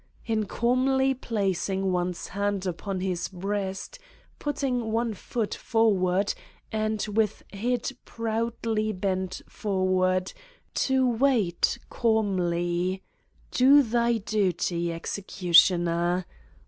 In calmly placing one's hands upon his breast, putting one foot for ward and, with head proudly bent backward, to wait calmly: "Do thy duty, executioner!"